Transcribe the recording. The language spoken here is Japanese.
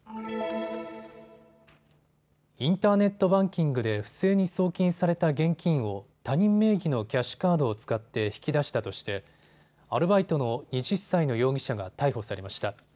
インターネットバンキングで不正に送金された現金を他人名義のキャッシュカードを使って引き出したとしてアルバイトの２０歳の容疑者が逮捕されました。